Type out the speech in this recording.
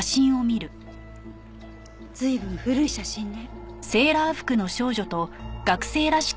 随分古い写真ね。